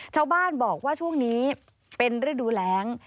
ชาวบ้านบอกว่าช่วงนี้เป็นฤดูแรง